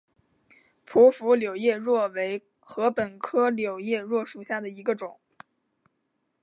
匍匐柳叶箬为禾本科柳叶箬属下的一个种。